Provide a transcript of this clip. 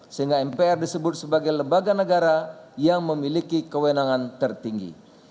sehingga mpr disebut sebagai lembaga negara yang memiliki kewenangan tertinggi